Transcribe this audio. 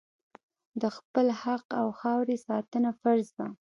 د خپل حق او خاورې ساتنه فرض ده.